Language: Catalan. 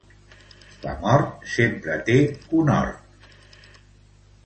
La mort sempre té conhort.